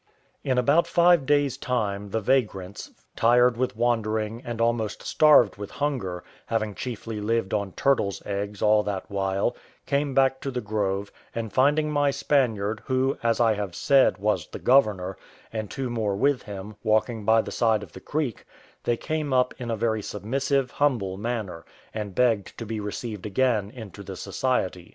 In about five days' time the vagrants, tired with wandering, and almost starved with hunger, having chiefly lived on turtles' eggs all that while, came back to the grove; and finding my Spaniard, who, as I have said, was the governor, and two more with him, walking by the side of the creek, they came up in a very submissive, humble manner, and begged to be received again into the society.